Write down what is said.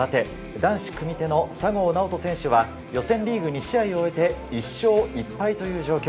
男子組手の佐合尚人選手は予選リーグ２試合を終えて１勝１敗という状況。